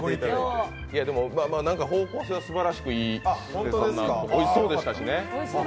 でも方向性はすばらしくいい、おいしそうでしたしね。